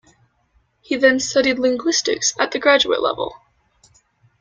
He then studied linguistics at the graduate level.